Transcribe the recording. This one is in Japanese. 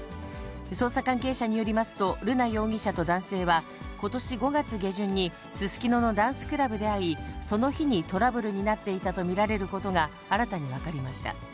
捜査関係者によりますと、瑠奈容疑者と男性は、ことし５月下旬にすすきののダンスクラブで会い、その日にトラブルになっていたと見られることが新たに分かりました。